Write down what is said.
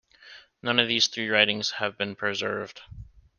None of these three writings has been preserved.